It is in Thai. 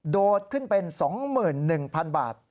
โดดขึ้นเป็น๒๑๐๐๐บาท